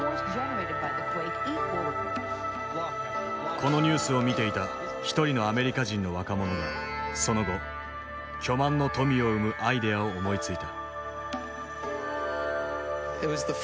このニュースを見ていた一人のアメリカ人の若者がその後巨万の富を生むアイデアを思いついた。